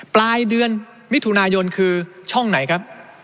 ปลายเดือนมิถุนายนคือช่องไหนครับ